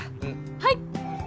はい！